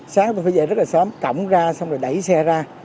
sáng tôi phải dậy rất là sớm tổng ra xong rồi đẩy xe ra